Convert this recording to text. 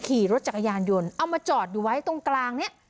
ขี่รถจักรยานยนต์เอามาจอดอยู่ไว้ตรงกลางนี้